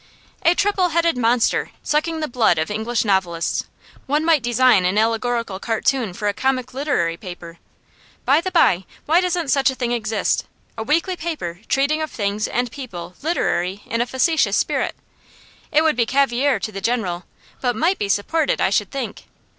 'A triple headed monster, sucking the blood of English novelists. One might design an allegorical cartoon for a comic literary paper. By the bye, why doesn't such a thing exist? a weekly paper treating of things and people literary in a facetious spirit. It would be caviare to the general, but might be supported, I should think.